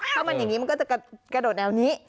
ถ้ามันอย่างนี้มันก็จะกระโดดแนวนี้